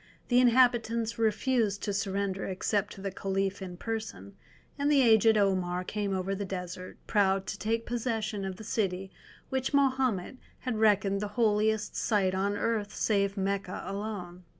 The inhabitants refused to surrender except to the Caliph in person, and the aged Omar came over the desert, proud to take possession of the city which Mahomet had reckoned the holiest site on earth save Mecca alone.